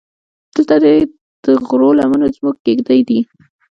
دلته دې د غرو لمنې زموږ کېږدۍ دي.